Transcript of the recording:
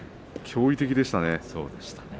驚異的でしたね。